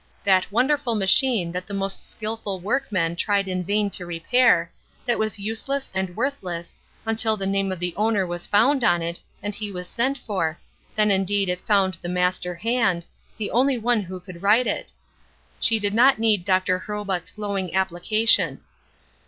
That wonderful machine that the most skillful workmen tried in vain to repair, that was useless and worthless, until the name of the owner was found on it, and he was sent for, then indeed it found the master hand, the only one who could right it; she did not need Dr. Hurlbut's glowing application.